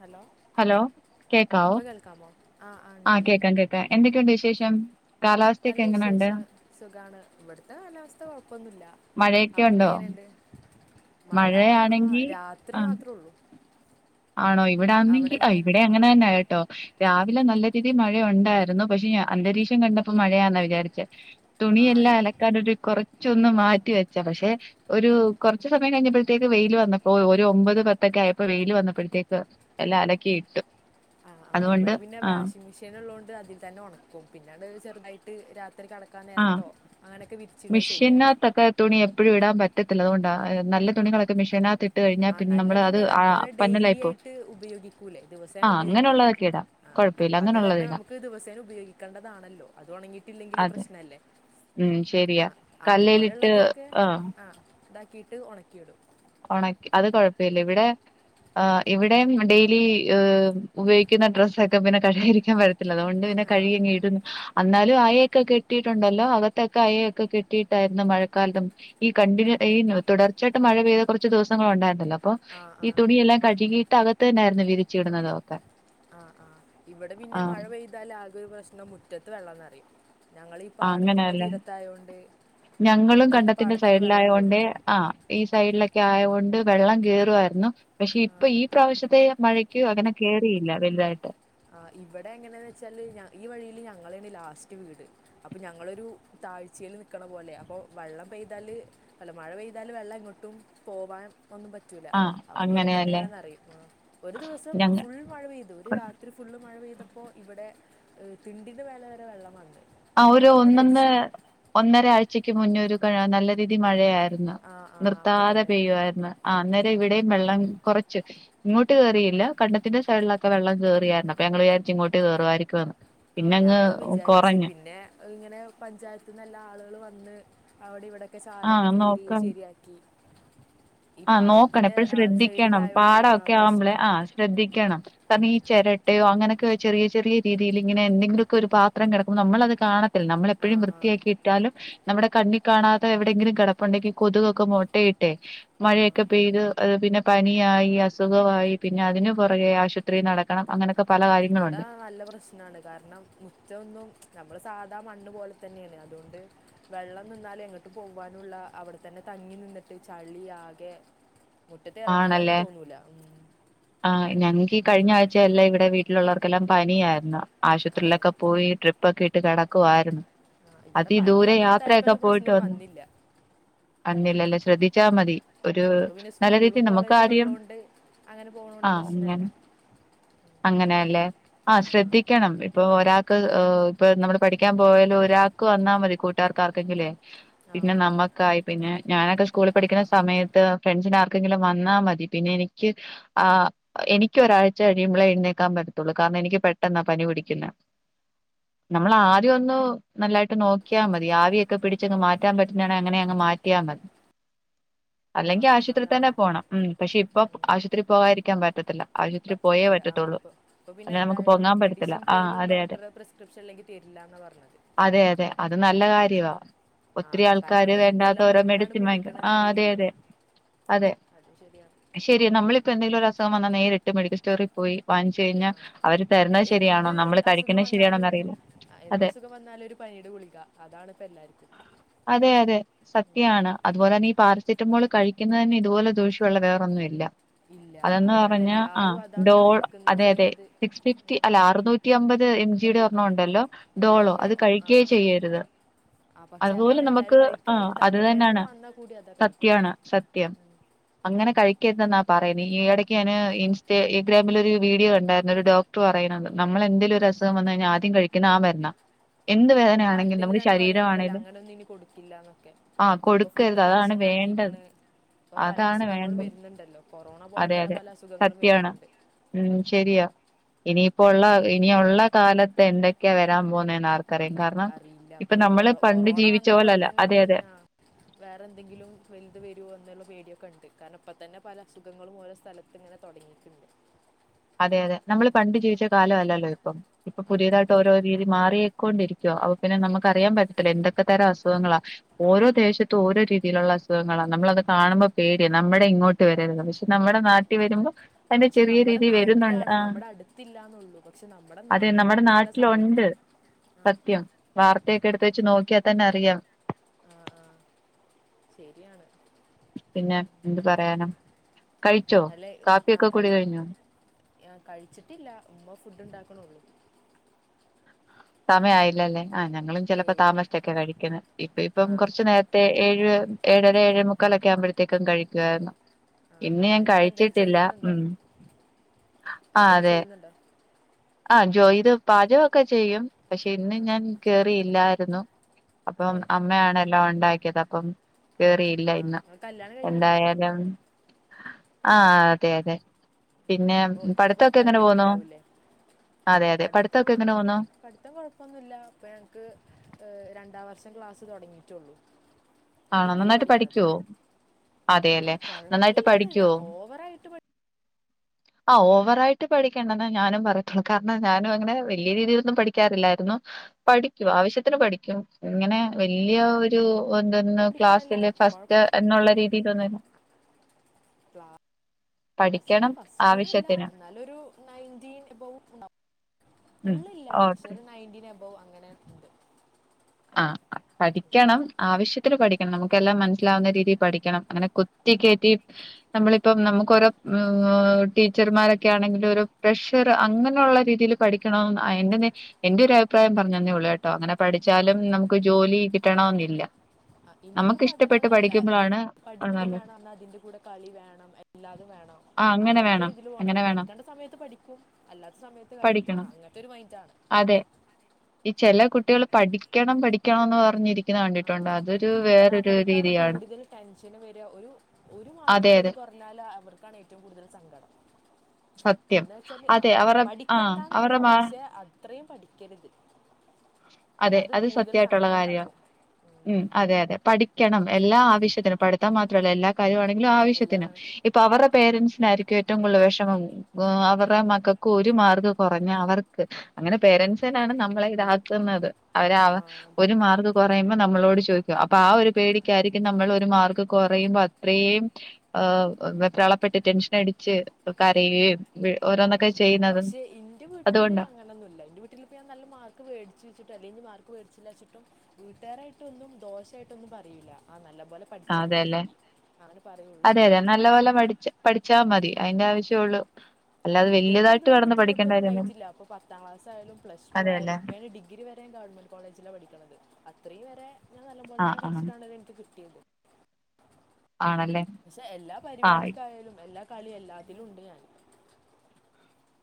Hello hello കേൾക്കാവോ ഇപ്പൊ കേൾക്കാമോ ആ ആ ആഹ് ഉണ്ടല്ലോ കേൾക്കാം കേൾക്കാം എന്തൊക്കെയുണ്ട് വിശേഷം നല്ല കാലാവസ്ഥയൊക്കെ എങ്ങനെയുണ്ട് വിശേഷം സുഖാണ് ഇവിടുത്തെ കാലാവസ്ഥ കൊഴപ്പൊന്നില്ല മഴയൊക്കെ അവിടത്തെ ഉണ്ടോ എങ്ങനെയുണ്ട് മഴ ആഹ് മഴയാണെങ്കി രാത്രി ആ മാത്രേ ഉള്ളു ആണോ ഇവിട ആന്നെങ്കിൽ ഇവിടെ അങ്ങനെ തന്നെ ആട്ടോ രാവിലെ നല്ല രീതിയിൽ മഴ ഉണ്ടായിരുന്നു പക്ഷെ ഞാൻ അന്തരീക്ഷം കണ്ടപ്പോ മഴയാന്നാ വിചാരിച്ച ആ തുണിയെല്ലാം ഇ- അലക്കാൻ ഒരു കുറച്ച് ചൊന്ന് മാറ്റി വെച്ച പക്ഷെ ഒരു കുറച്ച് സമയം കഴിഞ്ഞപ്പോഴത്തേക്ക് വെയിൽ വന്നപ്പോ ഒരു ഒമ്പത് പത്തൊക്കെ ആയപ്പോ വെയില് വന്നപ്പോ അപ്പോഴത്തേക്ക് എല്ലാം അലക്കിയിട്ട് ആഹ് ഇവിടെ പിന്നെ വാഷിംഗ് മെഷീൻ ഉള്ളതുകൊണ്ട് അതിൽ തന്നെ ഉണക്കും പിന്നട് ചെറു ചൊറുതായിട്ട് രാത്രി കിടക്കാൻ ആഹ് നേരത്തോ അങ്ങനെയൊക്കെ വിരിച്ചിടുക മിഷെൻ ചെയ്യാം അകത്ത് ഒക്കെ തുണി എപ്പഴും ഇടാൻ പറ്റ റ്റത്തില്ല അതുകൊണ്ടാ നല്ല തുണികളൊക്കെ മെഷീനകത്ത് ഇ ആഹ് നല്ല തുണിയല്ലേ നമ്മളിങ്ങനെ ഡെയിലി പോവും ആയിട്ട് ഉപയോഗിക്കൂലേ ദിവസേന ആ ഉപയോഗിക്കൂലേ അങ്ങനെയുള്ളതൊക്കെ ഇടാം ആഹ് കൊഴപ്പമില്ല അത് അങ്ങനെയുള്ളത് കാരണം ഇടാം നമുക്ക് ദിവസേന ഉപയോഗിക്കേണ്ടതാണല്ലോ അത് ഉണങ്ങിയിട്ടില്ലെങ്കിൽ അതെ പ്രശ്നം അല്ലേ ഉം ശരിയാ കല്ലയിലിട്ട് ആഹ് കീട്ട് ഉണക്കിയിടും ഉണക്കി അത് കൊഴപ്പമില്ല ഇവിടെ ഇവിടെയും ഡെയിലി ഉപയോഗിക്കുന്ന ഡ്രസ്സൊക്കെ പിന്നെ കല്ലോൽ വിരി അതുകൊണ്ട് പിന്നെ ആ കഴുകി അങ്ങ് ഇടും അന്നാലും അയ ഒക്കെ കെട്ടിയിട്ടുണ്ടല്ലോ അകത്തൊക്കെ അയ ഒക്കെ കെട്ടിയിട്ടായിരുന്ന മഴക്കാലത്ത് ഈ ക ണ്ടിനു ഈ തുടർച്ചയായിട്ടു മഴ പെയ്ത കുറച്ച് ദിവസങ്ങൾ ഉണ്ടായിരുന്നല്ലോ ആ ആ അപ്പോഈ തുണി എല്ലാം കഴുകി അകത്ത് തന്നായിരുന്നു വിരിച്ചു ഇടുന്നതും ഒക്കെ ആഹ് ആഹ് ഇവിടെ പിന്നെ മഴ പെയ്താല ആകെ ഒരു പ്രശ്നം മുറ്റത്ത് വെള്ളം നിറയും ഞങ്ങൾ ഈ ആ പാടത്തിൻ്റെ അങ്ങനെയല്ലേ തീരത്തായതുകൊണ്ട് ഞങ്ങളും പെട്ടെന്ന് കണ്ടത്തിന്റെ പാടത്തുനിന്ന് വെള്ളം സൈഡിലായോണ്ട് കയറും ആ ഈ സൈഡിലൊ ഒക്കെ ആയകൊണ്ട് വെള്ളം കേറുവായിരുന്നു പക്ഷെ ഇപ്പൊ ഈ പ്രാവശ്യത്തെ മഴയ്ക്ക് അങ്ങനെ കേയറിയില്ല വലുതായിട്ട് ആ ഇവിടെ എങ്ങനെയാന്ന് വെച്ചാല് ഈ വഴിൽ ഞങ്ങളെ ആണ് ലാസ്റ്റ് വീട് അപ്പൊ ഞങ്ങളൊരു താഴ്ചയിൽ നിൽക്കണ പോലെ അപ്പൊ വെള്ളം പെയ്താല് അല്ല മഴ പെയ്താല് വെള്ളം എങ്ങോട്ടും പോവാൻ ഒന്നും പറ്റൂല്ല ആഹ് അപ്പൊ ഇവിടുത്തന്നെ അങ്ങനെയല്ലേ ഇങ്ങനെ നിറയും ഒരു ദിവസം ഞങ്ങ ഫുൾ മഴ പെയ്തു ഒരു രാത് ഫുള്ള് മഴ പെയ്തപ്പോൾ ഇവിടെ തിണ്ടിൻ്റെ മേലെ വരെ വെള്ളം വന്ന് ആ ഒരു അപ്പോഴൊന്ന് ഒന്നൊന്ന് പേടിച്ച് ഒന്നര ആഴ്ചക്ക് മുന്നേ ഒരു ജോക്കെഴ നല്ല രീതി മഴയാ ഇന്നാ ആ ആ അപ്പം നിർത്താതെ തന്നെ പെയ്യുവായിരുന്നു ആ അന്നേരം ഇവിടെയും വെള്ളം കുറച്ച് ഇങ്ങോട്ട് കേറിയില്ല കണ്ടത്തിന്റെ സെയ്ഡിലൊക്കെ വെള്ളം കയറിയായിരുന്നു അപ്പൊ ഞങ്ങൾ വിചാരിച്ച് ഇങ്ങോട്ട് കേറുവായിരിക്കുംന്ന് ആ ഞങ്ങളും വിചാരിച്ചു പിന്നെ ഇങ്ങനെ പഞ്ചായത്തിന്നെല്ലാം ആളുകൾ വന്ന് അവിടെ ഇവിടെ ഒക്കെ ആ ചാലൊക്കെ കീറി ശരിയാക്കി ഈ ആ നോക്കണം പാടത്തിന്റെ എപ്പഴും ശ്രദ്ധിക്കണം സൈഡിലായോണ്ട് പാടമൊക്കെ ആവുമ്പോളെ ആ പ്രശ്നമാണ് ശ്രദ്ധിക്കണം കാരണം ഈ ചിരട്ടയോ അങ്ങനെ ക്ക് ചെറിയ ചെറിയ രീതിയിൽ ഇങ്ങനെന്തെങ്കിലൊക്കെ ഒരു പാത്രം കിടക്കു നമ്മളത് കാണ ആ നമ്മളെപ്പോഴും ആ വൃത്തിയാക്കിയിട്ടാലും നമ്മുടെ കണ്ണി കാണാത്ത എവിടെയെങ്കിലും കിടപ്പുണ്ടെങ്കിൽ കൊതുകൊക്കെ മുട്ടയിട്ടേ മഴയൊക്കെ പെയ്ത് അത് പിന്നെ പനിയായി അസുഖവായി പിന്നെ അതിന് പുറകെ ആശുപത്രി നടക്കണം അങ്ങനെ ഇവിടെ നല്ല പ്രശ്നമാണ് കാരണം മുറ്റം ഒന്നും നമ്മള് സാധാ മണ്ണ് പോലെ തന്നെയാണ് അതുകൊണ്ട് വെള്ളം നിന്നാലും എങ്ങോട്ട് പോവാനുള്ള അവിടെ തന്നെ തങ്ങി നിന്നിട്ട് ചളി ആകെ മുറ്റത്ത് ഇറങ്ങാൻ തന്നെ ആണല്ലേ തോന്നൂല ഉം. ആ അങ്ങനെ ഞങ്ങക്ക് ഈ കഴിഞ്ഞ ആഴ്ചയല്ല ഇവിടെ വീ ട്ടിലുള്ളവർക്കെല്ലാം പനിയായിരുന്നു അതെ ആശുപത്രിയിലൊക്കെ പോയി ട്രിപ്പ് ഇപ്പൊക്കെ ഇട്ട് കിടക്കുവായിരുന്നു ആ, ഇവിടെ അതി പനി ദൂരെ അങ്ങനത്തെ ആർക്കും യാത്രൊക്കെ ഒന്നും പോയിട്ട് പ്രശ്നമൊന്നും വന്ന് വന്നില്ല അന്നില്ലല്ലോ ആ ശ്രദ്ധിച്ചാ മതി ഒരു ഇപ്പൊ പിന്നെ നല്ല സ്കൂളും രീതിയിൽ കോളേജൊക്കെ നമുക്കാരെയും ഉള്ളതുകൊണ്ട് അങ്ങനെ പോകണോണ്ട് ആ പ്രശ്നമില്ല അങ്ങനെ അങ്ങനെയല്ലേ ആ ശ്രദ്ധിക്കണം ഇപ്പോ ഒരാക്ക് ഏ ഇപ്പൊ നമ്മള് പഠിക്കാൻ പോയാലും ഒരാൾക്ക് വന്നാ മതി കൂട്ടാർക്കാർക്കെങ്കിലേ ആ പിന്നെ നമ്മക്കായി പിന്നെ ഞാനൊക്കെ സ്കൂളിൽ പഠിക്കുന്ന സമയത്ത് ഫ്രണ്ട്സിന് ആർ കെങ്കിലും വന്നാ മതി പിന്നെ എനിക്ക് ആ എനിക്ക് ഒരാഴ്ച കഴിയുമ്പളേ എഴുന്നേക്കാൻ പറ്റത്തുള്ളൂ കാരണം എനിക്ക് പെട്ടെന്നാ പനി പിടിക്കുന്നെ നമ്മൾ ആദ്യം ഒന്ന് നല്ലായിട്ട് നോക്കിയാൽ മതി ആവിയൊക്കെ പിടിച്ചങ്ങ് മാറ്റാൻ പറ്റുന്നാണ് അങ്ങനെ അങ്ങ് മാറ്റിയാൽ മതി അല്ലെങ്കിൽ ആ തന്നെ പോണം ഉം പക്ഷെ ഇപ്പൊ ഉം. ആശുപത്രി പോകാതിരിക്കാൻ പറ്റത്തില്ല ആശുപത്രി പോയേ പറ്റത്തില്ല ആ പറ്റത്തുള്ളൂ ഇപ്പൊ ഇപ്പൊ പിന്നെ അല്ലെ നമുക്ക് എന്തായാലും പൊങ്ങാൻ പറ്റത്തില്ല മെഡിസിൻ ആഹ് പോലും അതെ അതെ ഡോക്ടറെ പ്രിസ്ക്രിപ്ഷൻ അല്ലെങ്കി തരില്ലന്ന് പറഞ്ഞത് അതെ അതെ അത് നല്ല ആ കാര്യവാ ആ ഒത്തിരി കാരണം ആൾക്കാര് വേണ്ടാത്ത എന്തെല്ലാം ഓരോ മരുന്നാണ് മെഡിസിൻ വാങ്ങിക്കും ആഹ് അതെ കുടിക്കണന്നറിയില്ലല്ലോ അതെ അതെ ശരി നമ്മളിപ്പോ എന്തെങ്കിലും ഒരു അസുഖം വന്നാ നേരിട്ട് മെിക്കൽ സ്റ്റോർ പോയി വാങ്ങിച്ചു കുട്ടി കഴിഞ്ഞാൽ ആ അവര് ഇപ്പൊ തരുന്നത് ശരിയാണോ എന്ത് നമ്മള് അസുഖം കഴിക്കുന്ന വന്നാലും ശരിയാണോന്ന് അറിയില്ല ആ, എന്ത് അതെ അസുഖം വന്നാലും ഒരു പനിയുടെ ഗുളിക അതാണ് ഇപ്പൊ എല്ലാവർക്കും അതെ അതെ സത്യാണ് അതുപോലെ തന്നെ പാ സെറ്റമോൾ കഴിക്ക പിക്കുന്നതന്നെ ഇതുപോലെ ദൂഷ്യമുള്ള വേറൊന്ന് ഇല്ല ഇല്ല അതന്ന് അത് കാരണം പറഞ്ഞ ആ എല്ലാവരും അതാണ് ഡോൾ ഉപയോഗിക്കുന്നത് അതെ അതെ ചെയ്യുന്നത് സിക്സ് ഫിഫ്റ്റി അല്ലെ അറുനൂറ്റി അമ്പത് എം അപ്പൊ ജിയുടെ അത് ആ ഒരെണ്ണം ഉണ്ടല്ലോ ഡോളോ അത് ആ കഴിക്കേ ആ. ചെയ്യരുത് ആ പക്ഷെ അതുപോലെ അതാണ് എല്ലാവരും നമുക്ക് കഴിക്കുക ആ ഒരു അത് തലവേദന തന്നെയാണ് വന്നാൽ കൂടി അതാ കഴിക്കുക സത്യാണ് സത് അങ്ങനെ കഴിക്കരുതെന്നാ പറയുന്നേ ഈ ഇടക്ക് ഞാന് ആ ഇൻസ്റ്റഗ്രാമിലൊ ഒരു വീഡിയോ കണ്ടായിരുന്നു ഒരു ഡോക്ടർ പറയണത്‌ നമ്മള എന്തെലൊ ഒരു അസുഖം വന്ന് കഴിഞ്ഞാ ആദ്യം കഴിക്കുന്ന മരുന്നാ എന്ത് ഇപ്പൊ വേദനയാണെങ്കിലും വാർത്തൽ നമ്മുടെ തന്നെ പറയുന്നുണ്ടല്ലോ ശരീരമാണേലും അങ്ങനെൊന്നും ഇനി കൊടുക്കില്ലന്നൊക്കെ ആഹ് ഇപ്പൊ ഫുള്ള് കൊടുക്കരുത് അതാണ് കർശന വേണ്ടത് ആക്കിക്ക്ണ് ഇപ്പൊ പല അതാണ് അസുഖങ്ങളും വേണ്ടത് വരുന്നുണ്ടല്ലോ കൊറോണ പോലെ അതെ തന്നെ അതെ പല അസുഖങ്ങളും സത്യാണ് വരുന്നുണ്ട് ഉം ശരിയാ ഇനിയിപ്പോ ഉള്ള ഇനിയുള്ള കാലത്ത് എന്തൊക്കെയാ വരാൻ പോകുന്നേ ന്നാർ അറിയില്ല അപ്പൊ ഒരു കൊറ കൊറോണ ജീവിച്ച വന്ന പോലെ പോലല്ല തന്നെ അതെ ഇനി അതെ വേറെ എന്തെങ്കിലും വലുത് വരോ എന്നുള്ള പേടിയൊക്കെ ഉണ്ട് കാരണം ഇപ്പ തന്നെ പല അസുഖങ്ങളും ഓരോ സ്ഥലത്ത് ഇങ്ങനെ തുടങ്ങിയിട്ടുണ്ട് അതെ അതെ നമ്മള് പണ്ട് ജീവിച്ച കാല അല്ലല്ലോ ഇപ്പം ഇപ്പൊ അ- പുതിയതായിട്ട് അതെ ഓരോ രീതി മാറിയേക്കൊണ്ടിരിക്കുവോ അപ്പ പിന്നെ നമുക്ക് അറിയാൻ പറ്റത്തില്ല എന്തൊക്കെ തരം അസുഖങ്ങളാ ഓരോ ദേശത്ത് ഓരോ രീതിയിലുള്ള അസുഖങ്ങളാണ് നമ്മളത് കാണുമ്പോൾ പേടിയാണ് നമ്മുടെ ഇങ്ങോട്ട് വരരുത് പക്ഷെ നമ്മുടെ നാട്ടിൽ വരുമ്പോൾ അയ്ന്റെ പക്ഷെ ചെറിയ രീ നമ്മുടെ വരുന്നുണ്ട് നാട്ടിലാണ് ആ നമ്മുടെ അടുത്തില്ല എന്നുള്ളൂ പക്ഷെ നമ്മുടെ അതെ നമ്മുടെ നാട്ടിലാണ് ഇതെല്ലാം നാട്ടിലുണ്ട് സംഭവിക്കണത് ആ സത്യം വാർത്തയൊക്കെ എടുത്ത വെച്ച് നോക്കിയ തന്നെ അറിയാം ആഹ ആഹ ശരിയാണ് പിന്നെ എന്ത് പറയാനാ കഴിച്ചോ അല്ലെ ആ കാപ്പിയൊക്കെ കുടി കഴി കഴിഞ്ഞോ കഴിച്ചിട്ടില്ല ഉമ്മ ഫുഡ് ഉണ്ടാക്കണള്ളു സമയാ ആയില്ലല്ലേ ആഹ് ഞങ്ങളും ചിലപ്പോ ഏയ് ഇല്ല താമസിച്ചൊക്കെ കഴിക്കുന്നത് ഇപ്പ ഇപ്പം കുറച്ച് നേരത്തെ ഏഴ് ഏഴര ഏഴേമുക്കാലൊക്കെ ആവുമ്പോഴത്തേക്കും കഴിക്കുവായിരുന്നു ഇന്ന് ആ ഞാൻ നിങ്ങൾ എന്തെങ്കിലും കഴിച്ചിട്ടില്ല ചെയ്യുന്നുണ്ടോ ഉം ആ എന്തെങ്കിലും അതെ ചെയ്യുന്നുണ്ടോ ആഹ ജോയ്ത് പാചകൊക്കെ ചെയ്യും പക്ഷെ ഇന്ന് ഞാൻ കേറിയില്ലായിരുന്നു അപ്പം അതെ അമ്മയാണ ല്ലാം ഉണ്ടാക്കിയത് അപ്പം കേറിയില്ല ആ ഇന്ന് നിങ്ങൾ കല്യാണം കഴിഞ്ഞതാണോ എന്തായാലും ആഹ അതെ അതെ പിന്നെ ഇപ്പോൾ ഇപ്പോൾ പഠിത്തൊക്കെ എങ്ങനെ ഭർത്താവിൻ്റെ പോവുന്നു വീട്ടിലാവൂലേ അതെ അതെ പഠിത്തം പഠിത്തൊക്കെ ഉം, എങ്ങനെ പോവുന്നു പഠിത്തം കുഴപ്പൊന്നുല്ല ഇപ്പ ഞങ്ങക്ക് രണ്ടാം വർഷം ക്ലാസ്സ് തുടങ്ങിയിട്ടുള്ളു ആണോ നന്നായിട്ട് പഠിക്കുവോ ആ അതെല്ലെ നന്നായിട്ട് കുഴപ്പമില്ലാതെ ഞാൻ പഠിക്കുവോ ഓവറായിട്ട് ആ ഓവറായിട്ട് പഠിക്കണ്ടന്നേ ഞാനും പറയത്തുള്ളൂ കാരണം ഞാനും അങ്ങനെ വലിയ രീതീലൊന്നും പഠിക്കാറില്ലായിരുന്നു പഠിക്കും ആവശ്യത്തിന് പഠിക്കും ഇങ്ങനെ വല്ല്യ ഒരു ന്നു ക്ലാസ്സില് പഠിക്കാനല്ലാതെ ഫസ്റ്റ് കുഴപ്പം എന്നുള്ള രീതീലൊന്നുല്ല ക്ലാസ്സില് പഠിക്കണം ഫസ്റ്റ്ന്നല്ല ആവശ്യത്തിന്. എന്നാലൊരു നയ്ൻൻ്റീൻ എബൗ ഉണ്ടാവ് ഉം ഫുള്ളില്ല ഓക്കെ. പക്ഷേ നയന്റ്റീ എബൗ അ ത്തൊരി പഠിക്കണം നമുക്കെല്ലാം മനസ്സിലാവുന്ന രീതീ പഠിക്കണം അങ്ങനെ കുത്തിക്കേറ്റി നമ്മളിപ്പം നമുക്കോരോ ടീച്ചർമാരൊക്കെ ആണെങ്കിലു ഒരു പ്രഷറ് അങ്ങനൊള്ള രീതീൽ പഠിക്കണം അഎന്റെന്ന് എൻ്റെ ഒരു അഭിപ്രായം പറഞ്ഞന്നേഉള്ളൂ ഏട്ടോ അങ്ങനെ പഠി ച്ചാലും നമുക്ക് ജോലി കിട്ടണവെന്നില്ല ആ എനിക്ക് പഠനംന്നല്ല എനിക്ക് അത് പഠിക്കും നല്ലത് വേണം അന്നാ അതിന്റെ കൂടെ കളി വേണം എല്ലാതും വേണം ആഹ് അങ്ങനെ അങ്ങൻത്തെ ഒരു വേണം ഇതില് പോണം അങ്ങനെ വേണം പഠിക്കേണ്ട സമയത്ത് പഠിക്കും അല്ലാത് സമയത്ത് കളി ആ പഠിക്കണം അങ്ങൻത്തെ ഒരു മൈൻറ് ആണ് ചെല കുട്ടികള് പഠിക്കണം പഠിക്കണം എന്ന് പറഞ്ഞ് ഇരി ആഹ് കാരണം അവർക്കാണ് രീതിയാണ് കൂടുതല് ടെൻഷന് വരുക ഒരു ഒരു മാർക്ക് അതെ അതെ പോലും കുറഞ്ഞാല് അവർ ക്കാണ് ഏറ്റവും കൂടുതൽ സങ്കടം സത്യം എന്ന് വെച്ചാൽ ആ അതെ അവരുടെ ആഹ് അവരുടെ മാ ത്രേം പഠിക്കരുത് അതെ കാരണം അത് കൂടുതൽ സത്യായിട്ടുള്ള സങ്കടം കാര്യാണ് ഉണ്ടാക്കും ഉം അതെ അതെ പ പഠിക്കണം എല്ലാ ആവശ്യത്തിനും പഠ്ത്തം മാത്രാല്ല എല്ലാ കാര്വാണെങ്കിലും ആ എല്ലാം ആവശ്യത്തിന് ഇപ്പോ ആ അവര്ടെ പേരൻറ്സിനാരിക്കും ഏറ്റവും കൂടുതൽ വെഷമം ഗൊ അവർടെ മക്കക്ക് ഒരു മാർക്ക് കൊറഞ്ഞാ അവർക്ക് അങ്ങനെ പേരൻറ്സിനാണ് നമ്മളെ ഇതാ ക്കുന്നത് അവരെ ആവ് ആ അതെ ഒരു മാർഗ് കൊറയുമ്പോ നമ്മളോട് ചോയ് ഗ്യ അപ്പ ആ ഒരു പേടിക്ക്യായിരിക്കും നമ്മളൊരു മാർക്ക്കൊറയുമ്പോ അത്രീം ആ വെപ്രാളപ്പെട്ടിട്ട് ടെൻഷ്നടിച്ച് കരയേ [unintelligible] ക് ആഹ് പക്ഷെ ഇന്റെ വീട്ടില് അതുകൊണ്ടാ അങ്ങനൊന്നുല്ല ഇന്റെ വീട്ടില് ഇപ്പ ഞാൻ നല്ല മാർക്ക് വേടി ചുചിട്ടും അല്ലേങ്കി മാർക്ക് വേടിച്ചില്ലാച്ച്ട്ടും വീട്ടാരായിട്ടൊന്നും ദോശായിട്ടൊന്നും പറിയില്ല ആ നല്ല ആതെ ലെ. അതെ അതെ ചെയ്യാം നല്ല പോലെ പഠിച്ച് പഠിച്ചാ മതി. അയിന്റെ ആവശ്യെ ഒള്ളൂ ആഹ് വീട്ട്കാർക്ക് ഞാ ഇതുവരെ ബുദ്ധിമുട്ടൊന്നും കാര്യൊന്നുല്ല ഇണ്ടായിട്ടില്ല ഇപ്പൊ പത്താം ക്ലാസ്സായാലും പ്ലസ് ടു ആയലും അതെല്ലേ ഇപ്പ ഞാൻ ഡിഗ്രി വരെ ഗവൺമെന്റ് കോളേജിലാ പഠിക്ക്ണത് അത് ത്രീ വരെ ഇങ്ങള് നല്ല ആഹ് പോലെത്തെന്ന ആഹ് പഠിച്ചിട്ടാണ് ഇത് എനിക്ക് കിട്- [unintelligible] ആണല്ലേ പക്ഷെ എല്ലാ ആഹ് പരിപാടിക്കായാലും എല്ലാ കളി എല്ലാത്തിലുണ്ട് ഞാൻ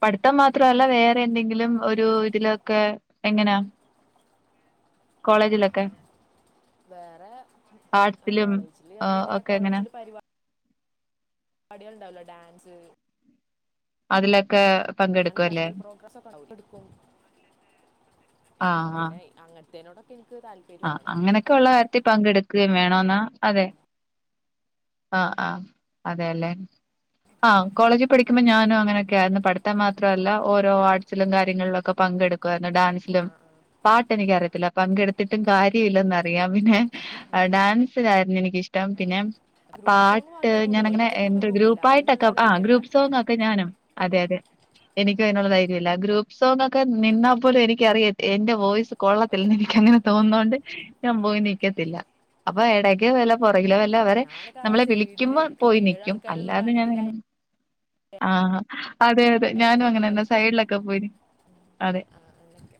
പഠിത്തം മാത്രല്ല വേറെ എന്തെങ്കിലും ഒരു ഇതിലൊക്കെ എങ്ങനാ ആഹ് കോളേജിലൊക്കെ ആഹ് വേറെ ആ ആർട്സിലും കോളേജില് ആഹ് നമ്മളിങ്ങനെ ഒക്കെ എങ്ങനെ കോളേജില് പരിപാ ടികൾണ്ടാവല്ലോ ഡാൻസ് അതിലെ അങ്ങനെ കരവിൽ പ്രോഗ്രസൊക്കെ [unintelligible] എടുക്കും ആ പിന്നെ അങ്ങ [unintelligible] ആ അങ്ങനൊക്കെള്ള കാര്യത്തി പങ്കെടു ക്കേം വേണോന്നാ അതെ അ ആ അതെല്ലെ ആ കോളേജി പഠിക്കുമ്പോ ഞാനും അങ്ങനൊക്കെ ആയിരുന്നു പഠിത്തം മാത്രല്ല ഓരോ ആർട്സിലും കാര്യങ്ങളിലൊക്കെ പങ്കെടുക്കായിരുന്നു ആ ഡാൻസിലും ആ പാട്ട് എനിക്കറിയത്തില്ല പങ്കെടു ത്തിട്ടും കാര്യയില്ലന്നറിയാം പിന്നെ ഡാൻസിലായിരുന്നു എനിക്കിഷ്ടം പിന്നെ ഗ്രൂപ്പ് സോങ് പാട്ട് മാത്രം കൂടുള്ളൂ ഞാനങ്ങനെ ഒറ്റക്കൊന്നും എന്ത് കൂടില്ല ഗ്രൂപ്പായിട്ടൊക്കെ അതിനുള്ള ആ ധൈര്യമല്ല ഗ്രൂപ്പ് സോങൊക്കെ ഞാനും അതെ അതെ എനക്ക് അയിനുള്ള ധൈര്യല്ല ഗ്രൂപ്പ് സോങൊക്കെ നിന്നാപ്പോലും എനിക്കറിയ എന്റെ വോയിസ് ഒറ്റ- കൊള്ളത്തില്ലന്ന് എനിക്കെന്നെ തോന്നോണ്ട് ഞാൻ പോയി നിക്കത്തില്ല അപ്പൊ എടക്കോ വല്ല പുറകിലോ വ ല്ല അവരെ ഞാനൊക്കെ ആ നമ്മളെ സൈഡിൽ വിളിക്കുമ്പോ ഇരിക്കും പോയി അപ്പോൾ ഏഴ് നിക്കും അല്ലാതെ ആൾക്കാരുള്ളതാണെങ്കിൽ ആ ഞാനങ്ങനെ ആ അതെ അതെ ഞാനും ഏഴാമത്തെ ഇട്ടാ അങ്ങനെന്നെ നിൽക്കുള്ളൂ സൈഡിലൊക്കെ പോയിന് അതെ ആ, അങ്ങനെയൊക്കെ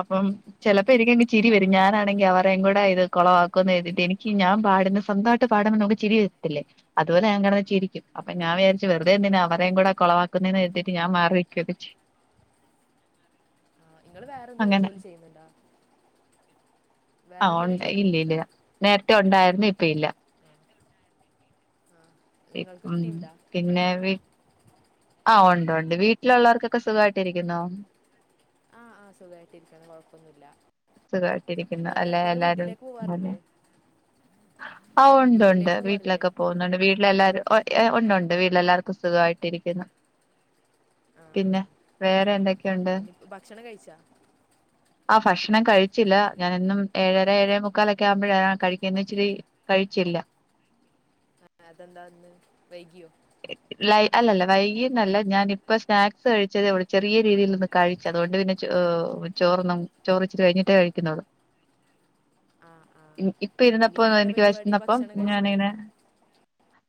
അപ്പം ചെലപ്പോ ഇരിക്കേണ്ടി ചിരി ആ വരും ഞാനാണെങ്കി അവരെ എങ്ങോട്ടായാലും അത് കൊളവാക്കുന്നെര്തീട്ട് എനിക്ക് ഞാൻ പാടുന്ന സ്വന്തായിട്ട് നമുക്ക്ചിരി വരത്തില്ലേ അതുപോലെ ഞാൻ കടന്ന് ചിരിക്കും അപ്പ ഞാൻ ആ വെറുതെന്തിനാ അവരെയും കൂടെ കൊളവാ ക്കുന്നെ ഞാൻ മാറി നിൽകൊക്കെ ചെയ്യും ആ നിങ്ങൾ അങ്ങനെ വേറെന്തേലുംജോലി ചെയ്യുന്നുണ്ടോ ആ വേറെ എന്തെങ്കിലും ജോലി ഇല്ല ചെയ്യുന്നുണ്ടോ ഇല്ല നേരത്തെ ഉണ്ടായിരുന്നു ഇപ്പ ഇല്ല ആ നിങ്ങൾക്ക് ഉം കുട്ടിയുണ്ടോ പിന്നെ വി ആ ഉണ്ട് ഉണ്ട് വീട്ടിലുള്ളവർക്കൊക്കെ സുഖായിട്ടിരിക്കുന്നോ ആ ആ സുഖമായിട്ടിരിക്കണം കുഴപ്പമൊന്നുമില്ല സുഖായിട്ടിരിക്കുന്നു നിങ്ങൾ അല്ലെ നിങ്ങൾ എല്ലാരും വീട്ടിലേക്ക് പോവാറില്ലേ ആ ഉണ്ട്ണ്ട് വീട്ടിലേക്ക് പോവാറില്ലേ വീട്ടിലൊക്കെ പോകുന്നുണ്ട് വീട്ടിലെല്ലാരും ഉണ്ട് ഉണ്ട് വീട്ടിലെല്ലാർക്കും സുഖമായിട്ടിരിക്കുന്നു ആ പിന്നെ ആ വേറെ എന്തൊക്കെയുണ്ട് ഇനി ഭക്ഷണം കഴിച്ചാ ആ ഭക്ഷണം കഴിച്ചില്ല ഞാനന്നും ഏഴര ഏഴേ മുക്കാലൊക്കെ ആവുമ്പോഴ കഴിക്കുന്ന ഇച്ചിരി കഴിച്ചില്ല അതെന്താന്ന് വൈകിയോ ലൈ അല്ലല്ല വൈകി ന്നല്ല ഞാനിപ്പ സ്നാക്സ് കഴിച്ചതേള്ളൂ ചെറിയ രീതിയിലൊന്ന് കഴിച്ചു അതുകൊണ്ട് പിന്നെ ച്ചോ ചോറൊന്നും ചോറ്ചിരി കഴിഞ്ഞിട്ടേ കഴിക്കുന്നൊള്ളൂ ആ ആ ഇപ്പ ഇരുന്നപ്പോ ഇനിയിപ്പോൾ എന്താ എനിക്ക് പരിപാടി വെശന്നപ്പോ ഭക്ഷണം കഴിച്ചിട്ട് ഞാനിങ്ങനെ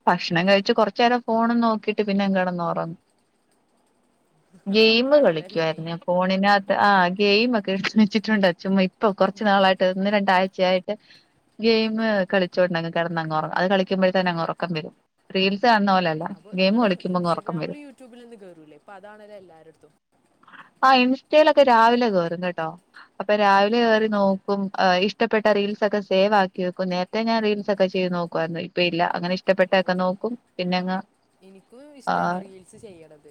ഭക്ഷണം കഴിച്ച് കൊർച്ചേരം ഫോൺ നോക്കിട്ട് പിന്നെങ്ങ് കെടന്നൊറങ്ങും ഗെയിമ് ഉറക്കാണല്ലോ അല്ലേ കളിക്കുആയിരുന്നു വെയിൽ ഞാൻ ഫോണിനകത്ത് ആ ഗെയിമൊക്കെ ഷ്ണിച്ചിട്ടുണ്ട് ചുമ്മാ ഇപ്പൊ കൊറച്ച് നാളായിട്ട് ഒന്ന് രണ്ടായി ഉച്ചയായിട്ട് ഗെയിമ് കളിച്ചോണ്ടങ് കെടന്നങ്ങോർങ്ങും അത് കളിക്കുമ്പോഴേക്കന്നെ അങ്ങ് ഒറക്കം വരും റീൽസ് കാണുന്ന പോലല്ല ല്ല ഗെയിമ് കളിക്കുമ്പങ്ങ് ഒറക്കം വരും ട്യൂബിൽ ഒന്നും കയറൂല്ലേ അപ്പൊ അതാണല്ലോ എല്ലാരടത്തും ആ ഇൻസ്റ്റയിലൊക്കെ രാവിലെെ കേയറും കേട്ടോ അപ്പൊ രാവിലെ ആ കേയറി ആ നോക്കും ഇഷ്ടപ്പെട്ട റീൽസൊക്കെ സേവ് ആക്കി വെക്കും നേരത്തെ ഞാൻ റീൽസ്ക്കെ ചെയ്ത് നോക്കുവായിരുന്നു ഇപ്പ ഇല്ല അങ്ങനെ ഇഷ്ട അതെ ഇഷ്ടപ്പെട്ടൊക്കെ നോക്കും പിന്നെങ്ങങ് എനിക്കും ആ ഇഷ്ടമാണ് റീൽസ് ചെയ്യണത്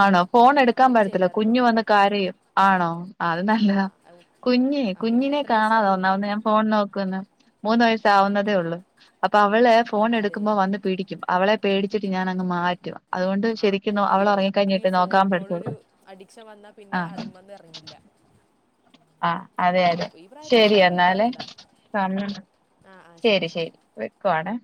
ആണോ ഫോൺ ഞാനും എടുക്കാൻ ഇടക്കിടക്ക് പറ്റത്തില്ല ചെയ്യാറുണ്ട് കുഞ്ഞു വന്ന് ഓരോന്ന് കരയും ആണോ അത് ആ നല്ലതാ ഔ. കുഞ്ഞെ ആ കുഞ്ഞിന് കുഞ്ഞിനെ എത്ര കാണാതെ വയസ്സായി ഒന്നാമത് ഞാൻ ഫോൺ നോക്കുന്നെ മൂന്ന് വയസ്സ് ആവുന്നതേ ഉള്ളൂ അപ്പൊ അവള് ഫോൺ അതെ എടുക്കുമ്പോ വന്ന് പിടിക്കും അവളെ പേടിച്ചിട്ട് ഞാനങ്ങ് മാറ്റുവ ആ കുട്ടികൾക്കാണെങ്കിലും നോക്കാൻ ഫോണിനോട് ഒരു പറ്റത്തൊള്ളൂ അഡിക്ഷൻ വന്ന പിന്നെ അതുമന്ന് ഇറങ്ങില്ല ആ അതെ അതെ അപ്പോൾ ഈ പ്രായത്തിൽ ശരി ഫോൺ എന്നാാലേ കൊടുക്കാറുണ്ടോ ശരി ശരി വെക്കുവാണെ